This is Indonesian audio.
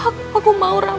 aku kembali untuk mamah reem